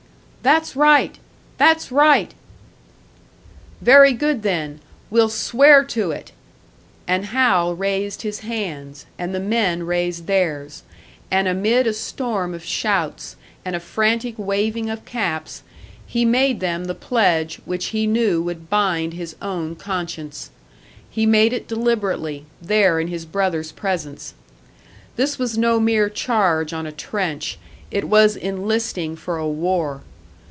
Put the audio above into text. "That's right! That's right!" "Very good, then we'll swear to it!" And Hal raised his hands, and the men raised theirs, and amid a storm of shouts, and a frantic waving of caps, he made them the pledge which he knew would bind his own conscience. He made it deliberately, there in his brother's presence. This was no mere charge on a trench, it was enlisting for a war!